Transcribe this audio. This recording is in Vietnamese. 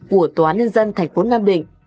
của tòa nhân dân thành phố nam định